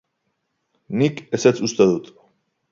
Nik ezetz uste dut.